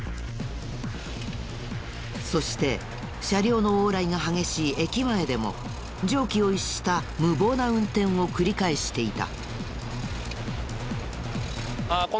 そして車両の往来が激しい駅前でも常軌を逸した無謀な運転を繰り返していた。